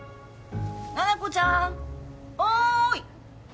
七子ちゃんおい！